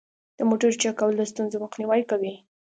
د موټرو چک کول د ستونزو مخنیوی کوي.